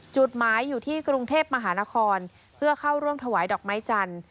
จุดหมายอยู่ที่กรุงเทพมหานครเพื่อเข้าร่วมถวายดอกไม้จันทร์